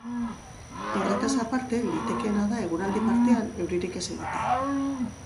Horretaz aparte, litekeena da eguerdi partean euririk ez egitea.